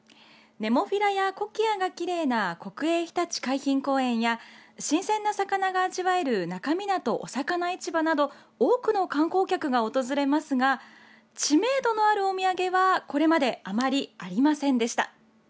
ネモフィラやコキアがきれいな国営ひたち海浜公園や新鮮な魚が味わえる那珂湊おさかな市場など多くの観光客が訪れますが知名度のあるお土産はこれまであまりありませんでした。